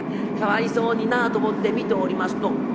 かわいそうにな」と思って見ておりますと